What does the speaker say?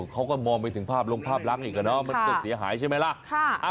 เขาก็มองไปถึงภาพลงภาพลักษณ์อีกมันก็เสียหายใช่ไหมล่ะ